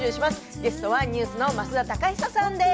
ゲストはＮＥＷＳの増田貴久さんです。